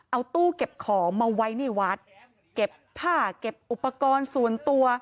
เอาตู้เก็บของมาไว้ในวัดเก็บผ้าเก็บอุปกรณ์ส่วนตัว